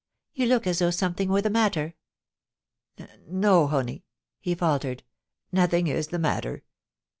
You look as though something were the matter.' * N no, Honie,' he faltered ;* nothing is the matter.'